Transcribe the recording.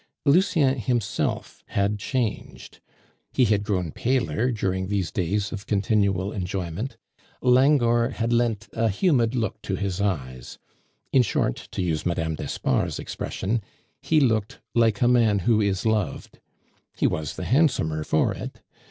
Lucien himself had changed. He had grown paler during these days of continual enjoyment; languor had lent a humid look to his eyes; in short, to use Mme. d'Espard's expression, he looked like a man who is loved. He was the handsomer for it.